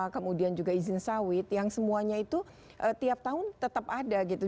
kemudian juga izin sawit yang semuanya itu tiap tahun tetap ada gitu